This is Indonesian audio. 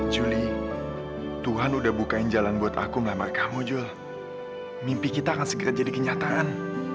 juli tuhan udah bukain jalan buat aku melamar kamu jul mimpi kita akan segera jadi kenyataan